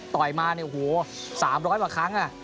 ต่อยมา๓๐๐บาทครั้ง